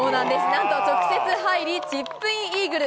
なんと直接入り、チップインイーグル。